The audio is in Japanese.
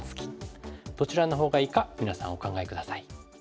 どちらのほうがいいか皆さんお考え下さい。